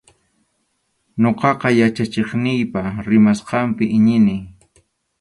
Ñuqaqa yachachiqniypa rimasqanpi iñini.